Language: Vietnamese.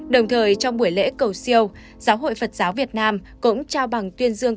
đồng thời trong buổi lễ cầu siêu giáo hội phật giáo việt nam cũng trao bằng tuyên dương